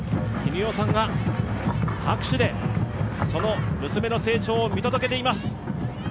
絹代さんが拍手で娘の成長を見届けています。